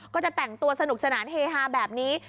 ก็จะแต่งตัวสนุกสนานเฮฮาแบบนี้